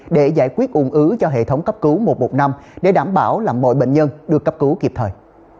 để giải quyết ung ứ cho hệ thống cấp cứu một trăm một mươi năm để đảm bảo là mọi bệnh nhân được cấp cứu kịp thời